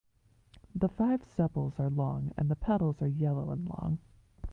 The five sepals are long and the petals are yellow and long.